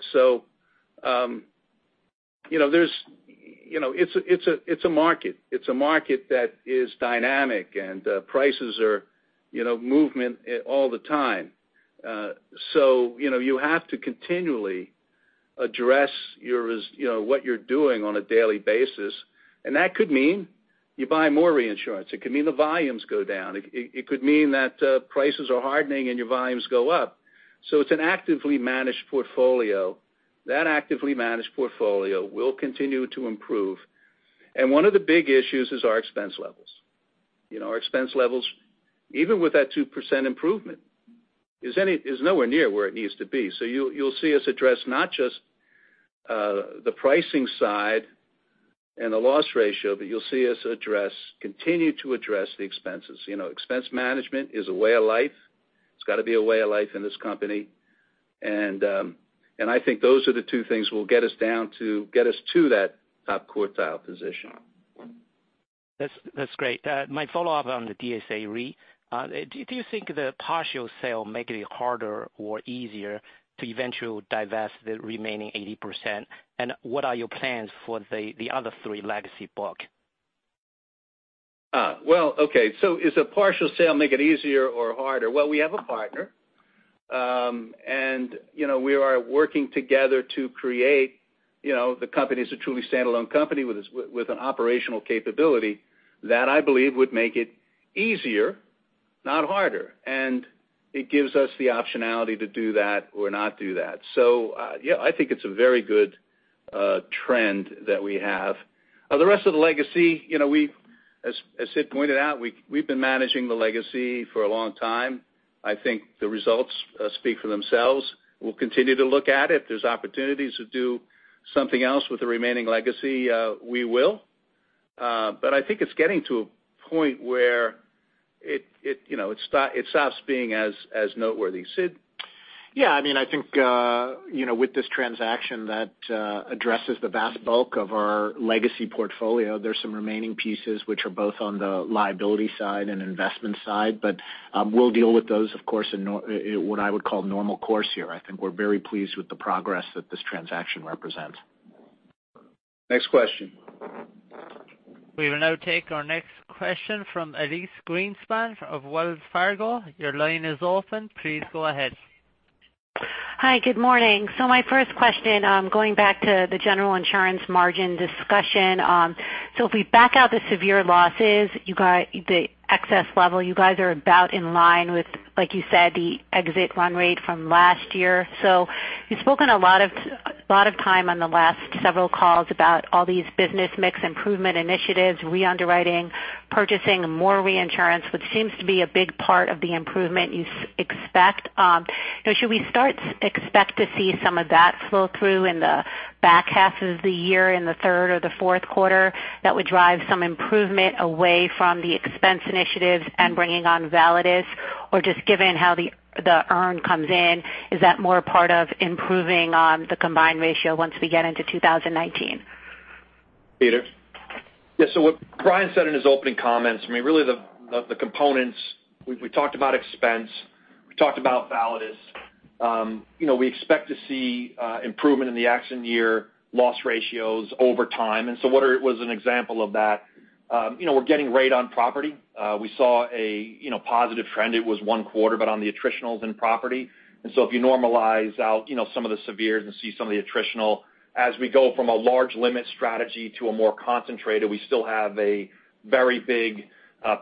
It's a market. It's a market that is dynamic, and prices are movement all the time. You have to continually address what you're doing on a daily basis. That could mean you buy more reinsurance. It could mean the volumes go down. It could mean that prices are hardening and your volumes go up. It's an actively managed portfolio. That actively managed portfolio will continue to improve. One of the big issues is our expense levels. Our expense levels, even with that 2% improvement, is nowhere near where it needs to be. You'll see us address not just the pricing side and the loss ratio, but you'll see us continue to address the expenses. Expense management is a way of life. It's got to be a way of life in this company. I think those are the two things that will get us to that top quartile position. That's great. My follow-up on the DSA Re. Do you think the partial sale make it harder or easier to eventually divest the remaining 80%? What are your plans for the other three legacy book? Well, okay, is a partial sale make it easier or harder? Well, we have a partner. We are working together to create the company as a truly standalone company with an operational capability that I believe would make it easier, not harder. It gives us the optionality to do that or not do that. Yeah, I think it's a very good trend that we have. The rest of the legacy, as Sid pointed out, we've been managing the legacy for a long time. I think the results speak for themselves. We'll continue to look at it. If there's opportunities to do something else with the remaining legacy, we will. I think it's getting to a point where it stops being as noteworthy. Sid? Yeah, I think with this transaction that addresses the vast bulk of our legacy portfolio, there's some remaining pieces which are both on the liability side and investment side. We'll deal with those, of course, in what I would call normal course here. I think we're very pleased with the progress that this transaction represents. Next question. We will now take our next question from Elyse Greenspan of Wells Fargo. Your line is open. Please go ahead. Hi. Good morning. My first question, going back to the General Insurance margin discussion. If we back out the severe losses, the excess level, you guys are about in line with, like you said, the exit run rate from last year. You've spoken a lot of time on the last several calls about all these business mix improvement initiatives, re-underwriting, purchasing more reinsurance, which seems to be a big part of the improvement you expect. Should we start expect to see some of that flow through in the back half of the year, in the third or the fourth quarter, that would drive some improvement away from the expense initiatives and bringing on Validus? Or just given how the earn comes in, is that more a part of improving on the combined ratio once we get into 2019? Peter? Yeah. What Brian said in his opening comments, really the components, we talked about expense, we talked about Validus. We expect to see improvement in the accident year loss ratios over time. What was an example of that? We're getting rate on property. We saw a positive trend. It was one quarter, but on the attributionals in property. If you normalize out some of the severes and see some of the attritional as we go from a large limit strategy to a more concentrated, we still have a very big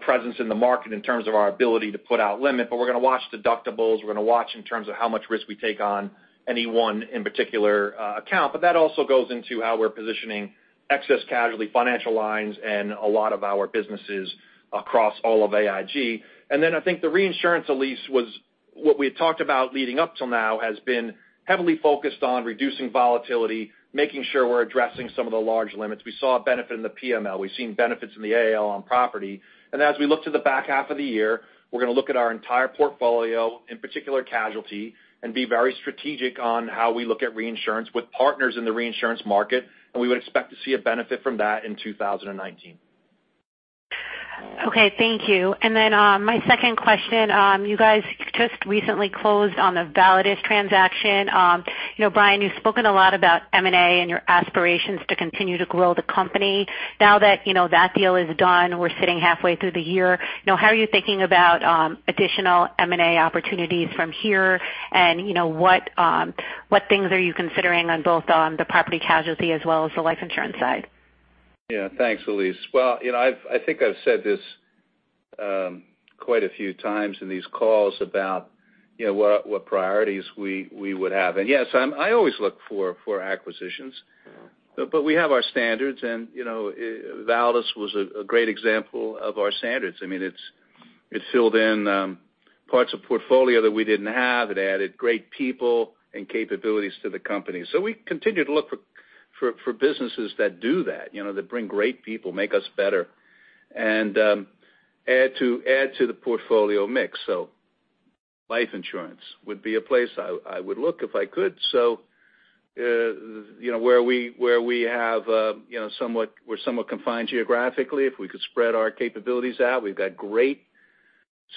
presence in the market in terms of our ability to put out limit. We're going to watch deductibles, we're going to watch in terms of how much risk we take on any one in particular account. That also goes into how we're positioning excess casualty, financial lines, and a lot of our businesses across all of AIG. I think the reinsurance, Elyse, was what we had talked about leading up till now has been heavily focused on reducing volatility, making sure we're addressing some of the large limits. We saw a benefit in the PML. We've seen benefits in the AAL on property. As we look to the back half of the year, we're going to look at our entire portfolio, in particular casualty, and be very strategic on how we look at reinsurance with partners in the reinsurance market, and we would expect to see a benefit from that in 2019. Okay. Thank you. My second question. You guys just recently closed on the Validus transaction. Brian, you've spoken a lot about M&A and your aspirations to continue to grow the company. Now that deal is done, we're sitting halfway through the year. How are you thinking about additional M&A opportunities from here? What things are you considering on both on the property casualty as well as the life insurance side? Yeah. Thanks, Elyse. I think I've said this quite a few times in these calls about what priorities we would have. Yes, I always look for acquisitions. We have our standards, and Validus was a great example of our standards. It filled in parts of portfolio that we didn't have. It added great people and capabilities to the company. We continue to look for businesses that do that bring great people, make us better, and add to the portfolio mix. Life insurance would be a place I would look if I could. Where we're somewhat confined geographically, if we could spread our capabilities out. We've got great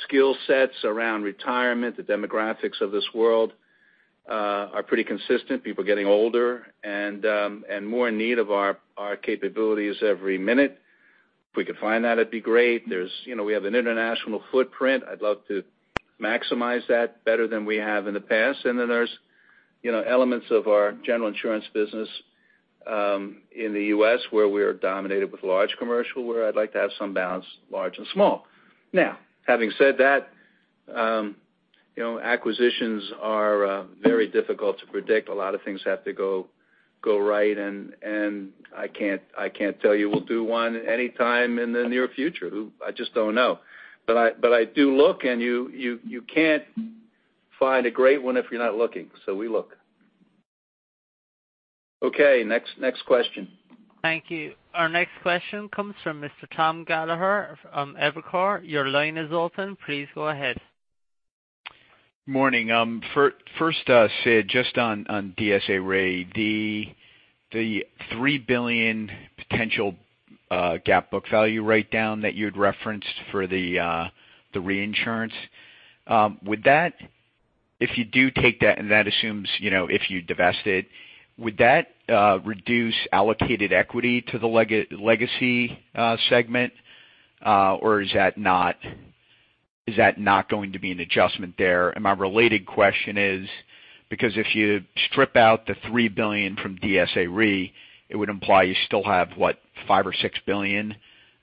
skill sets around retirement. The demographics of this world are pretty consistent. People are getting older and more in need of our capabilities every minute. If we could find that, it'd be great. We have an international footprint. I'd love to maximize that better than we have in the past. There's elements of our General Insurance business in the U.S. where we are dominated with large commercial, where I'd like to have some balance, large and small. Having said that, acquisitions are very difficult to predict. A lot of things have to go right, and I can't tell you we'll do one anytime in the near future. I just don't know. I do look, and you can't find a great one if you're not looking. We look. Okay, next question. Thank you. Our next question comes from Mr. Tom Gallagher from Evercore. Your line is open. Please go ahead. Morning. First, Sid, just on DSA Re, the $3 billion potential gap book value write-down that you had referenced for the reinsurance. If you do take that, and that assumes if you divested, would that reduce allocated equity to the legacy segment? Or is that not going to be an adjustment there? My related question is, because if you strip out the $3 billion from DSA Re, it would imply you still have, what, $5 or $6 billion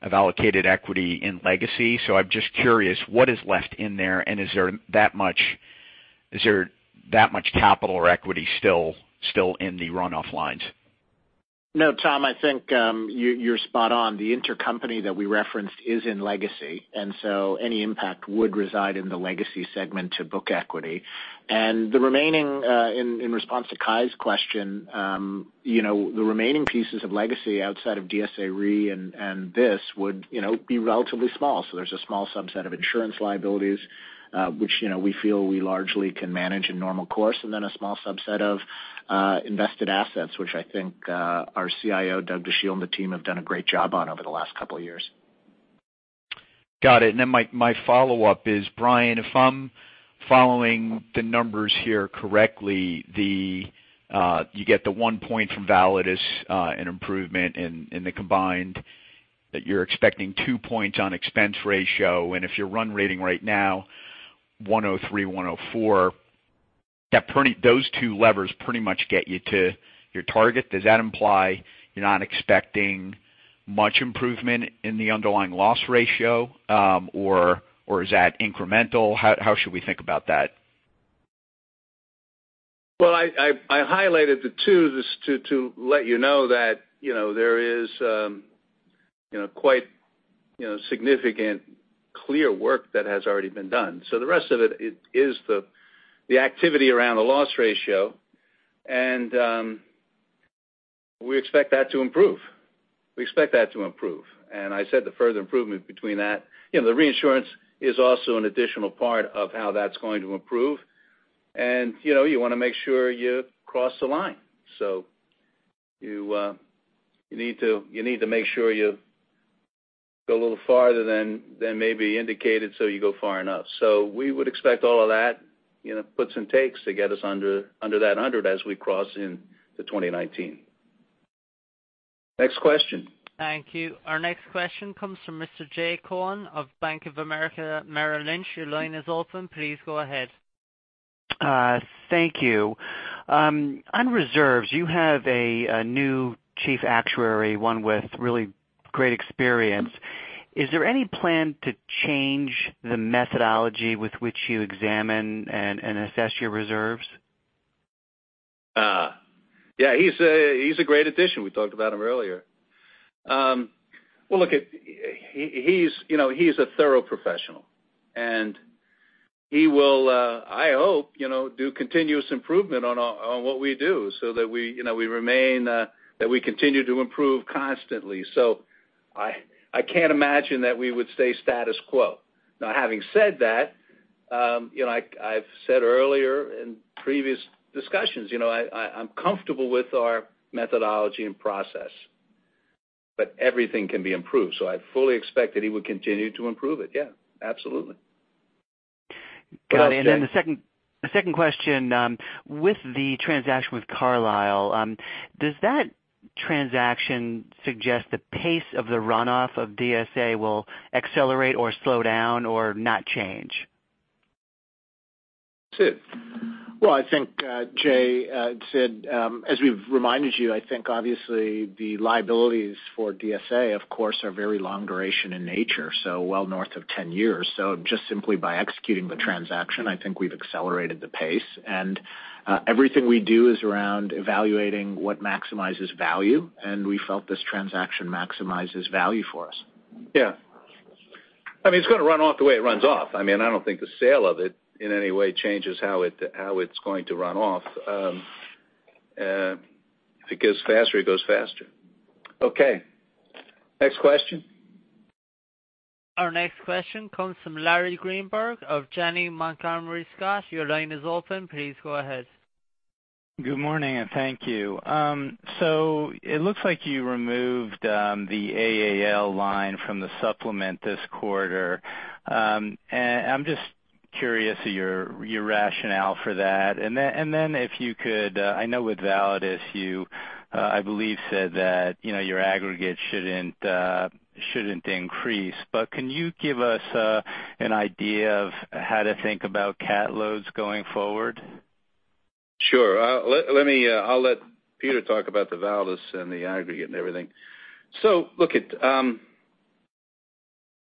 of allocated equity in legacy. I'm just curious, what is left in there, and is there that much capital or equity still in the runoff lines? No, Tom, I think you're spot on. The intercompany that we referenced is in legacy, any impact would reside in the legacy segment to book equity. In response to Kai's question, the remaining pieces of legacy outside of DSA Re and this would be relatively small. There's a small subset of insurance liabilities, which we feel we largely can manage in normal course, and then a small subset of invested assets, which I think our CIO, Douglas Dachille, and the team have done a great job on over the last couple of years. Got it. My follow-up is, Brian, if I'm following the numbers here correctly, you get the one point from Validus, an improvement in the combined, that you're expecting two points on expense ratio. If your run rating right now, 103, 104, those two levers pretty much get you to your target. Does that imply you're not expecting much improvement in the underlying loss ratio? Is that incremental? How should we think about that? Well, I highlighted the two just to let you know that there is quite significant clear work that has already been done. The rest of it is the activity around the loss ratio, and we expect that to improve. We expect that to improve. I said the further improvement between that, the reinsurance is also an additional part of how that's going to improve. You want to make sure you cross the line. You need to make sure you go a little farther than may be indicated, you go far enough. We would expect all of that puts and takes to get us under that 100 as we cross into 2019. Next question. Thank you. Our next question comes from Mr. Jay Cohen of Bank of America Merrill Lynch. Your line is open. Please go ahead. Thank you. On reserves, you have a new Chief Actuary, one with really great experience. Is there any plan to change the methodology with which you examine and assess your reserves? Yeah, he is a great addition. We talked about him earlier. Well, look, he is a thorough professional, and he will, I hope, do continuous improvement on what we do so that we continue to improve constantly. I cannot imagine that we would stay status quo. Now, having said that, I have said earlier in previous discussions, I am comfortable with our methodology and process, but everything can be improved. I fully expect that he would continue to improve it. Yeah, absolutely. Got it. The second question, with the transaction with Carlyle, does that transaction suggest the pace of the runoff of DSA will accelerate or slow down or not change? Sid. Well, I think, Jay said, as we have reminded you, I think obviously the liabilities for DSA, of course, are very long duration in nature, well north of 10 years. Just simply by executing the transaction, I think we have accelerated the pace. Everything we do is around evaluating what maximizes value, and we felt this transaction maximizes value for us. Yeah. It is going to run off the way it runs off. I do not think the sale of it in any way changes how it is going to run off. If it goes faster, it goes faster. Okay. Next question. Our next question comes from Larry Greenberg of Janney Montgomery Scott. Your line is open. Please go ahead. Good morning, and thank you. It looks like you removed the AAL line from the supplement this quarter. I'm just curious of your rationale for that. If you could, I know with Validus, you, I believe, said that your aggregate shouldn't increase, but can you give us an idea of how to think about cat loads going forward? Sure. I'll let Peter talk about the Validus and the aggregate and everything. Look it,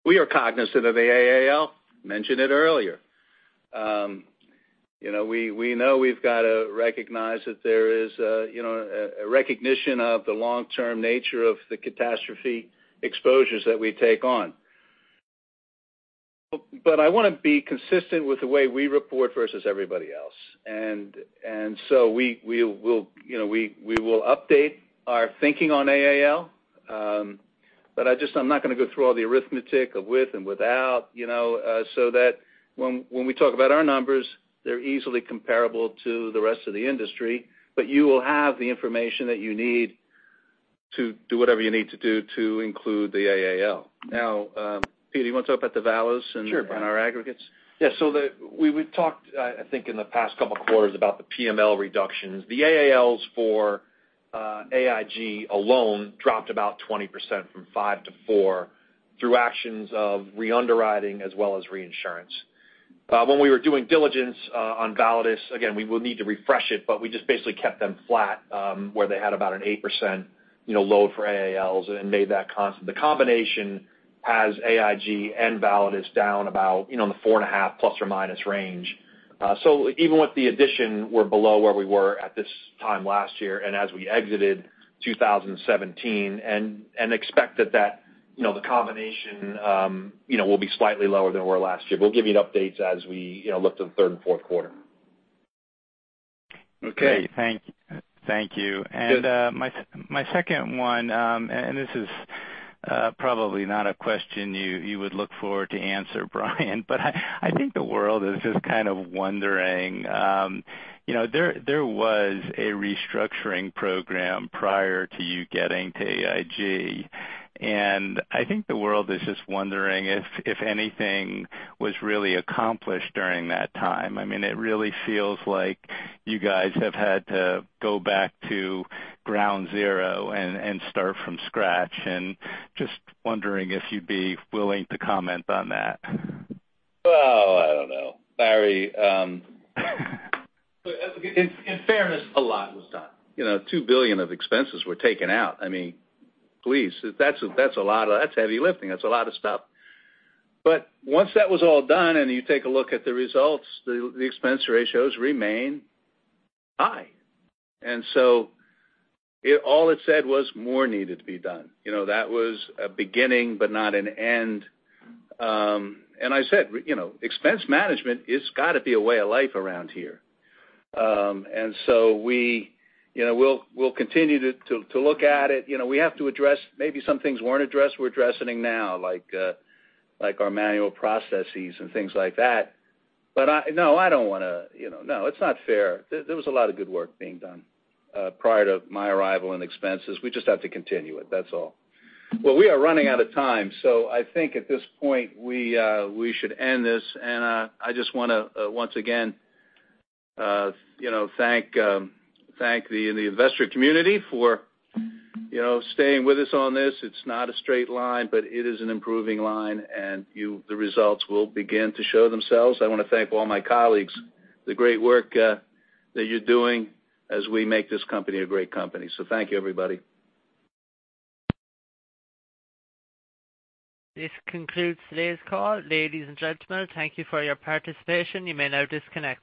we are cognizant of the AAL, mentioned it earlier. We know we've got to recognize that there is a recognition of the long-term nature of the catastrophe exposures that we take on. I want to be consistent with the way we report versus everybody else. We will update our thinking on AAL, I'm not going to go through all the arithmetic of with and without, so that when we talk about our numbers, they're easily comparable to the rest of the industry. You will have the information that you need to do whatever you need to do to include the AAL. Now, Peter, you want to talk about the Validus and- Sure and our aggregates? Yeah. We talked, I think in the past couple of quarters about the PML reductions. The AALs for AIG alone dropped about 20% from 5 to 4 through actions of re-underwriting as well as reinsurance. When we were doing diligence on Validus, again, we will need to refresh it, but we just basically kept them flat, where they had about an 8% load for AALs and made that constant. The combination has AIG and Validus down about in the 4.5 plus or minus range. Even with the addition, we're below where we were at this time last year and as we exited 2017 and expect that the combination will be slightly lower than we were last year. We'll give you updates as we look to the third and fourth quarter. Okay. Great. Thank you. Good. My second one, this is probably not a question you would look forward to answer, Brian, but I think the world is just kind of wondering. There was a restructuring program prior to you getting to AIG, I think the world is just kind of wondering if anything was really accomplished during that time. It really feels like you guys have had to go back to ground zero and start from scratch and just wondering if you'd be willing to comment on that. Well, I don't know, Larry. In fairness, a lot was done. $2 billion of expenses were taken out. Please, that's heavy lifting. That's a lot of stuff. Once that was all done and you take a look at the results, the expense ratios remain high. All it said was more needed to be done. That was a beginning but not an end. I said, expense management has got to be a way of life around here. We'll continue to look at it. We have to address maybe some things weren't addressed we're addressing now, like our manual processes and things like that. No, it's not fair. There was a lot of good work being done prior to my arrival in expenses. We just have to continue it, that's all. Well, we are running out of time. I think at this point, we should end this. I just want to once again thank the investor community for staying with us on this. It's not a straight line, but it is an improving line. The results will begin to show themselves. I want to thank all my colleagues, the great work that you're doing as we make this company a great company. Thank you, everybody. This concludes today's call. Ladies and gentlemen, thank you for your participation. You may now disconnect.